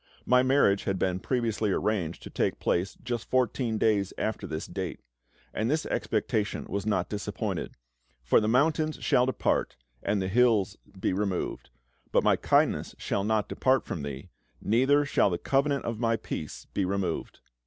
My marriage had been previously arranged to take place just fourteen days after this date. And this expectation was not disappointed; for "the mountains shall depart, and the hills be removed, but My kindness shall not depart from thee, neither shall the covenant of My peace be removed."